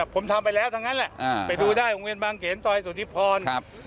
ผมทำไปแล้วทั้งนั้นแหละไปดูได้โรงเรียนบางเขนซอยสุธิพร